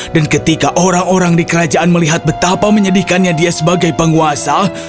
dan ketika orang orang di kerajaan melihat betapa menyedihkannya dia sebagai penguasa